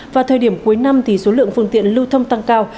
vào thời điểm cuối năm thì số lượng phương tiện lưu thông tăng cao